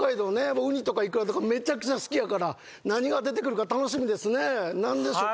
僕ウニとかイクラとかめちゃくちゃ好きやから何が出てくるか楽しみですね何でしょう？